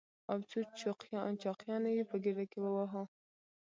او څو چاقيانې يې په ګېډه کې ووهو.